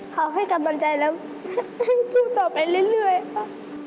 เขาให้กำลังใจแล้วให้สู้ต่อไปเรื่อยค่ะ